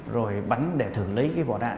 rồi bắn để thử lấy cái vỏ đạn